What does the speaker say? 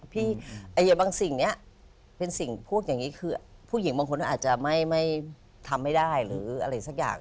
บางสิ่งนี้เป็นสิ่งพูดอย่างนี้คือผู้หญิงบางคนอาจจะไม่ทำไม่ได้หรืออะไรสักอย่าง